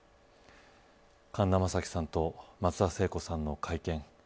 神田正輝さんと松田聖子さんの会見。